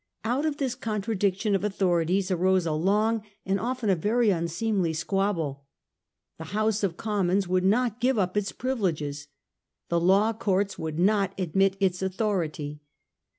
Out of this contradiction of authorities arose . a long and often a very un seemly squabble. The House of Commons would not give up its privileges ; the law courts would not admit its authority.